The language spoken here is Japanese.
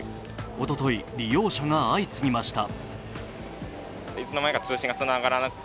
おととい、利用者が相次ぎました。